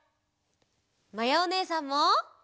まやおねえさんも！